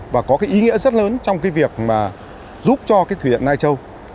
và có ý nghĩa rất lớn trong việc giúp cho thủy điện lai châu